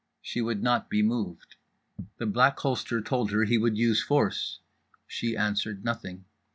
She would not be moved. The Black Holster told her he would use force—she answered nothing.